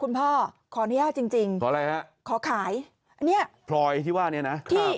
คุณพ่อขอเนี้ยจริงจริงขออะไรฮะขอขายเนี้ยพลอยที่ว่าเนี้ยนะครับ